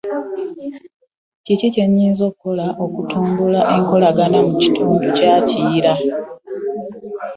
Kiki kye Nnyinza Okukola Okutumbula Enkolagana mu Kitundu kya Kiyira?